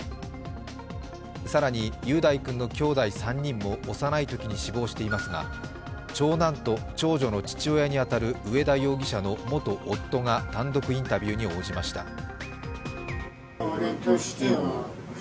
更に、雄大君のきょうだい３人も幼いときに死亡していますが長男と長女の父親に当たる上田容疑者の元夫が単独インタビューに応じました。